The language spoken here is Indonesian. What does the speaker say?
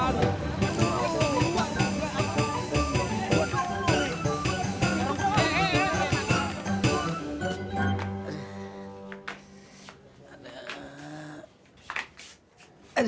abang bosen di kamar